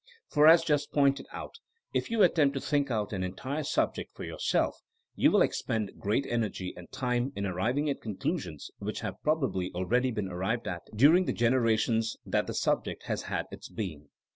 For as just pointed out, if you attempt to think out an entire subject for yourself you will expend great energy and time in arriving at conclusions which have probably already been arrived at during the generations that the subject has had its being.